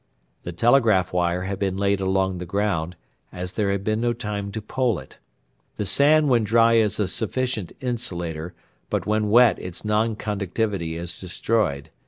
The telegraph wire had been laid along the ground, as there had been no time to pole it. The sand when dry is a sufficient insulator, but when wet its non conductivity is destroyed.